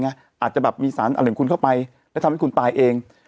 อาจจะเป็นสารอั่งคุณเข้าไปและทำให้คุณตายเอง